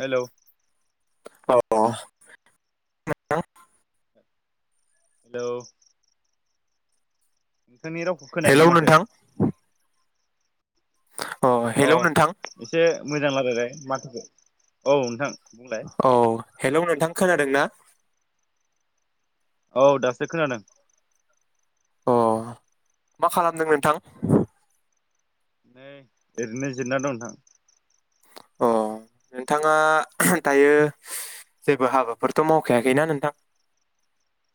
Hello औ [unintelligible] hello नोंथांनि रावखो हेलौ खोनायाखैनो माथो। नोंथां अ हेलौ नोंथां एसे मोजां रायलायलाय माथोखो औ नोंथां। बुंलाय औ हेलौ नोंथां। खोनादोंना? औ दासो खोनादों। अ मा खालामदों नोंथां? नै ओरैनो जिरना दं नोंथां। अ नोंथाङा दायो जेबो हाबाफोरथ' मावखायाखैना नोंथां?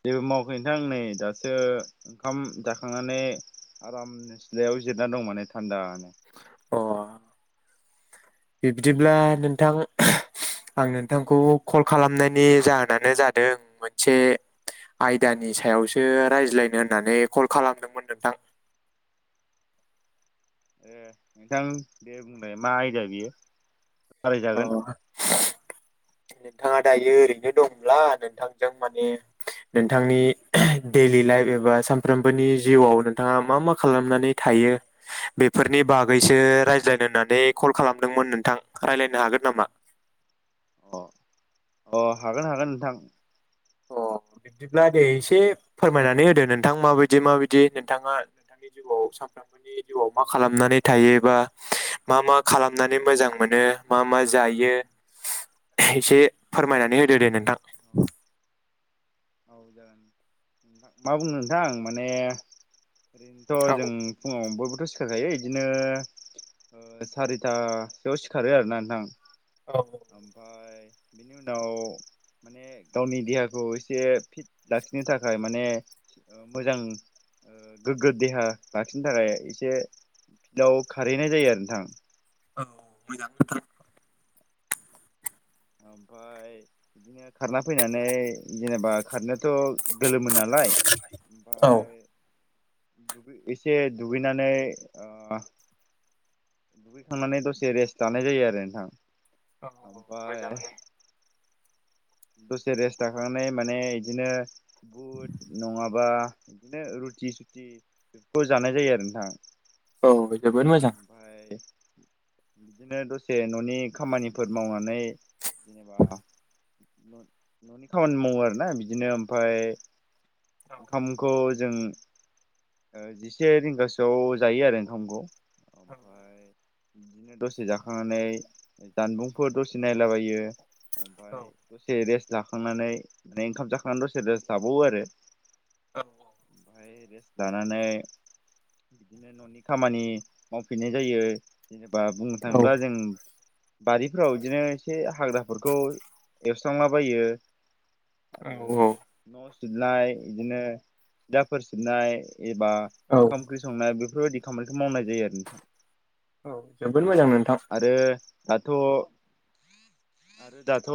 जेबो मावखै नोंथां नै दासो ओंखाम जाखांनानै आरामनो सिलायाव जिरायना दं माने थान्दा नो। अ बिब्दिब्ला नोंथां आं नोंथांखौ कल खालामनायनि जाहोनानो जादों मोनसे आयदानि सायावसो रायज्लायनो होननानै कल खालामदोंमोन नोंथां। ए नोंथां दे बुंलाय मा आयदा बियो? अ सावरायजागोन नोंथाङा दायो ओरैनो दंब्ला नोंथांजों माने नोंथांनि डैलि लाइफ एबा सानफ्रोमबोनि जिउआव नोंथाङा मा मा खालामनानै थायो बेफोरनि बागैसो रायज्लायनो होननानै कल खालामदोंमोन नोंथां। रायलायनो हागोन नामा? अ अ हागोन हागोन नोंथां। अ बिब्दिब्ला दे एसे फोरमायनानै होदो नोंथां माबायदि माबायदि नोंथाङा नोंथांनि जिउआव सानफ्रोमबोनि जिउआव मा खालामनानै थायो बा मा मा खालामनानै मोजां मोनो मा मा जायो एसे फोरमायनानै होदो दे नोंथां। अ औ जागोन मा बुंनो नोंथां माने ओरैनोथ औ जों फुङाव बयबोथ सिखारखायो इदिनो ओ सारिथासोआव सिखारो आरोना नोंथां। औ ओमफाय- बेनि उनाव माने गावनि देहाखौ ए- एसे फिट लाखिनो थाखाय माने मोजां ओ गोग्गो देहा लाखिनो थाखाय एसे फिल्दआव खारहैनाय जायो आरो नोंथां। औ मोजां। [unintelligible] ओमफाय बिदिनो खारना फैनानै जेनेबा खारनायाथ गोलोमो नालाय औ ओमफाय एसे दुगैनानै ओ दुगैखांनानै दसे रेस्ट लानाय जायो आरो नोंथां। औ ओमफाय मोजाङानो दसे रेस्ट लाखांनाय माने इदिनो बुट नङाबा बिदिनो रुटि सुथि बेफोरखौ जानाय जायो आरो नोंथां। औ जोबोद मोजां ओमफाय बिदिनो दसे न'नि खामानिफोर मावनानै जेनेबा न'नि खामानि मावो आरोना बिदिनो ओमफाय औ ओखामखौ ज जों ओ जिसे रिंगासोआव जायो आरो ओंखामखौ। औ ओमफाय बिदिनो दसे जाखांनानै जानबुंफोर दसे नायलाबायो ओमफाय औ दसे रेस्ट जाखांनानै माने ओंखाम जाखांनानै दसे रेस लाबावो आरो। औ ओमफाय रेस्ट लानानै बिदिनो न'नि खामानि मावफिन्नाय जायो। जेनो बा बुंनो थाङोल्बा जों बारिफोराव इदिनो एसे हाग्राफोरखौ एवस्रांलाबायो। औ आरो न'स सिबनाय इदिनो दाखोर सिबनाय एबा ओंखाम ओंख्रि संनाया बे बेफोरबायदि खामानिखौ मावनाय जायो आरो नोंथां। औ जोबोद मोजां नोंथां। आरो दाथ' आरो दाथ'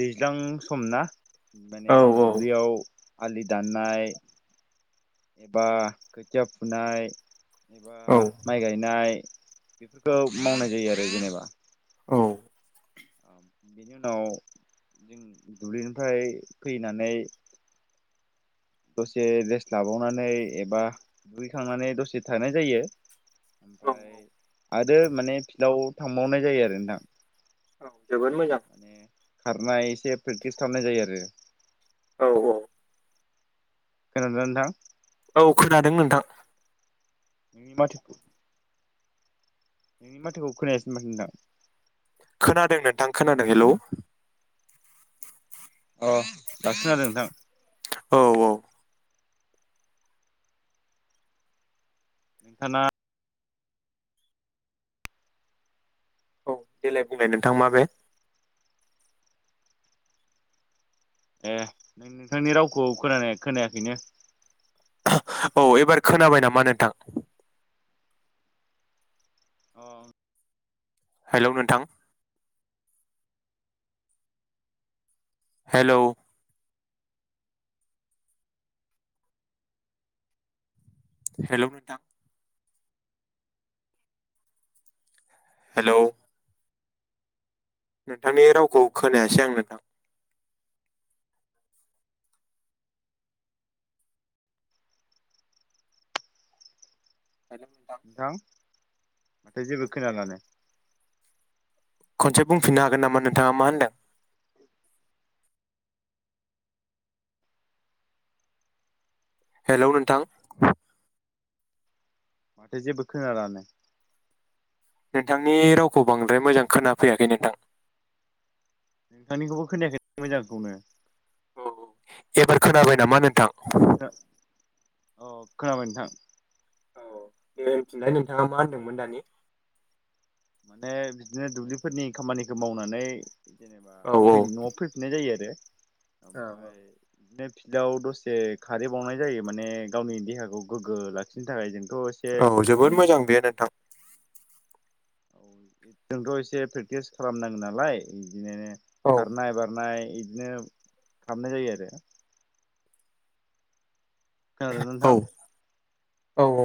दैज्लां सम ना औ माने दुब्लियाव आलि दाननाय एबा खोथिया फुनाय एबा औ माइ गायनाय बेफोरखौ मावनाय जायो आरो जेनोबा। औ। उम बेनि उनाव जों दुब्लिनिफ्राय फैनानै दसे रेस्ट लाबावनानै एबा दुगैखांनानै दसे थानाय जायो। ओमफाय आरो माने फिल्डाव थांबावनाय जायो आरो नोंथां। औ। जोबोद मोजां। माने खारनाय एसे प्रेक्टिस खालामनाय जायो आरो। औ औ। खोनादों ना नोंथां? औ खोनादों नोंथां नोंनि माथौखौ। नोंनि माथोखौ खोनायासै माथो नोंथां? खोनादों नोंथां खोनादों हेल'। अ- दासो जादों नोंथां। औ औ साना औ देलाय बुंलाय नोंथां माबे? ए नों-नोंथांनि रावखौ खोनानाय-खोनायाखैनो। औ एबार खोनाबाय नामा नोंथां? अ हेलौ नोंथां। हेलौ हेल' नोंथां हेलौ नोंथांनि रावखौ खोनायासै आं नोंथां। नोंथां। माथो जेबो खोनालानो। खनसे बुंफिननो हागोन नामा नोंथाङा मा होनदों? हेलौ नोंथां। माथो जेबो खोनालानो। नोंथांनि रावखौ बांद्राय मोजां खोनाफैयाखै नोंथां। नोंथांनिखौबो खोनायाखै मोजांखौनो। अ एबार खोनाबाय नामा नोंथां? गा [inaudible] अ खोनाबाय नोंथां। औ देलाय नोंथाङा मा होनदोंमोन दानि? माने बिदिनो दुब्लिफोरनि खामानिखौ मावनानै। जेनेबा औ फै न'आव फैफिननाय जायो आरो औ ओमफाय [unintelligible] सिल्था आव दसे खारै बावनाय जायो माने गावनि देहाखौ गोग्गो लाखिनो थाखाय जों। औ जोबोद मोजां बे नोंथां। औ जोंथ' एसे प्रेक्टिस खालामनांगो नालाय। बिदिनो औ खारनाय बारनाय। इदिनोब खामनाय जायो आरो। खोनादों ना नोंथां? औ औ।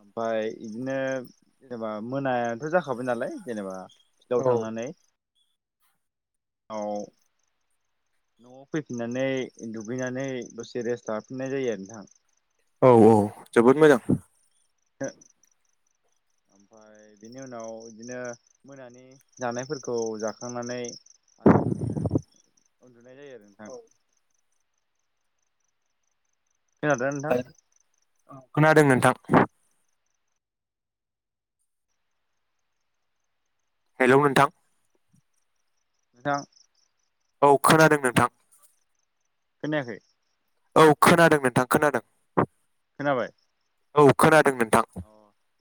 ओमफाय इदिनो जेनेबा मोनायाथ' जाखाबाय नालाय जेनेबा। फिलाव थांनानै। औ न'आव फैफिननानै दुगैनानै दसे रेस्ट लाफिननाय जायो आरो नोंथां। औ औ जोबोद मोजां। ओ- ओमफाय बिनि उनाव बिदिनो मोनानि जानायफोरखौ जाखांनानै आरामनो उन। नुनाय जायो आरो ओनथां। खोनादोंना नोंथां? औ खोनादों नोंथां। [inaudible] हेलौ नोंथां नोंथान औ खोनादों नोंथां। खोनायाखै औ खोनादों नोंथां खोनादों। खोनाबाय औ खोनादोंमोन थां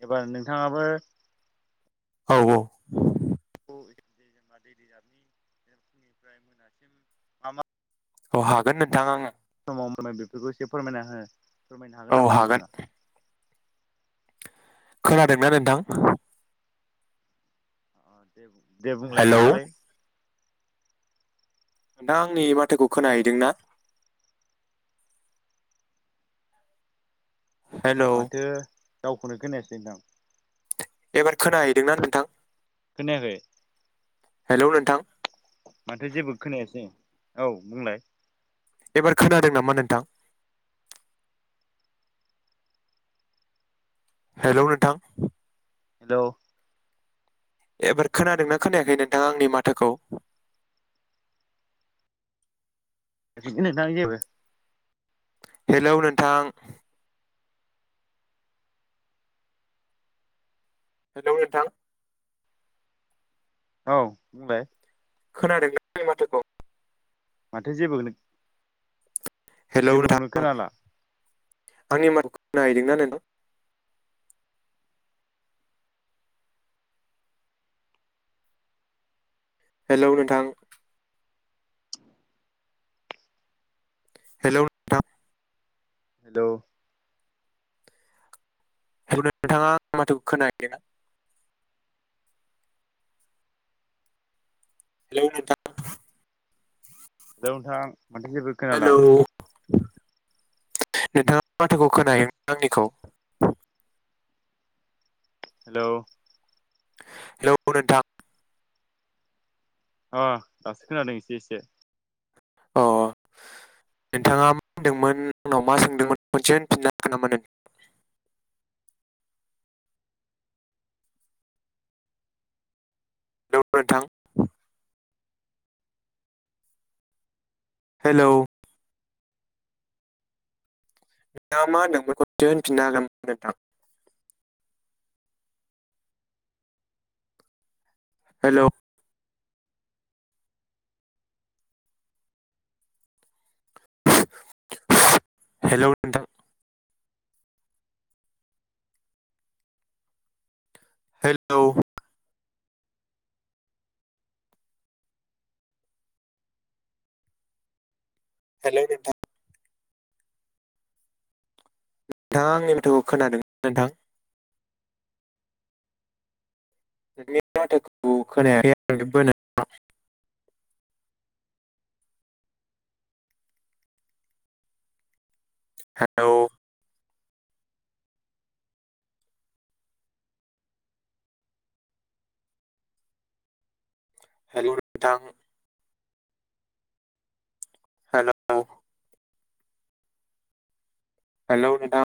एबार नोंथांङाबो औ औ। जे जेनबा दै रिजाबनि जेन फुंनिफ्राय मोनासिम मा मा औ हागोन नोंथां आंङो। बम होनाय बेफोरबो एसे फोरमायना हो। फोरमायनो हागोन नामा नोंथांङा? खोनादोंना नोंथां? दे बुं दे बुंलाय हेलौ खोन्थालाय। ओनथांङा आंनि माथोखौ खोनाहैदों ना? माथो रावखौनो खोनायासै हनथां एबार खोनाहैदोंना नोंथां? खोनायाखै। हेलौ नोंथां। माथो जेबो खोनायासै औ बुंलाय। एबार खोनादों नामा नोंथां? हेलौ नोंथां हेलौ एबार खोनादोंना खोनायाखै नोंथांङा आंनि माथोखौ? [unintelligible] हेलौ नोंथां हेलौ नोंथां औ बुंलाय। खोनादों ना आंनि माथोखौ? माथो जेबोखोनो हेलौ [inaudible] आंनि मा [inaudible] खोनाहैदों ना नोंथां? हेलौ नोंथां हेलौ [inaudible] थां हेलौ [inaudible] नोंथाङा माथो खोनाहैदों ना? हेलौ [inaudible] हेलौ नोंथां माथो जेबो खोनाला। नोंथांङा माथोखौ खोनायो आंनिखौ? हेलौ। हेलौ नोंथां। अ दासो खोनादों एसे एसे। अ नोंथाङा [inaudible] दोंमोन आंनाव मा सोंदोंमोन खनसे होनफिनना [inaudible] हेलौ नोंथां। हेलौ। नों मा होनदोंमोन खनसे होनफिनना हागोन नामा नोंथां? हेलौ। हेलौ नोंथां। हेलौ। हेलौ नोंथां। नोंथाङा आंनि माथोखौ खोनादों ना नोंथां? नोंनि माथोखौ खोनायाखै [unintelligible] हेलौ। हेलौ नोंथां। हेलौ। हेलौ नोंथां।